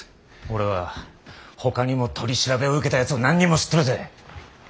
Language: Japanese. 俺はほかにも取り調べを受けたやつを何人も知ってるぜ。